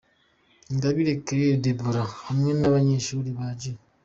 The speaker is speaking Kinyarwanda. Ingabire Claire Deborah hamwe n'abanyeshuri ba G.